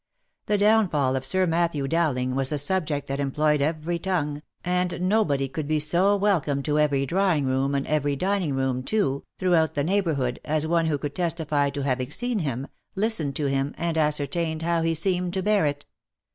The downfal of Sir Matthew Dowling was the 350 THE LIFE AND ADVENTURES subject that employed every tongue, and nobody could be so welcome to every drawing room, and every dining room too, throughout the neighbourhood, as one who could testify to having seen him, listened to him, and ascertained how he seemed to bear it.